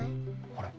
あれ？